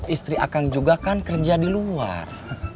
istri akang juga kan kerja di luar